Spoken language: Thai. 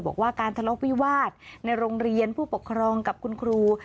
บอกว่าการทะเลาะวิวาสในโรงเรียนผู้ปกครองกับคุณครู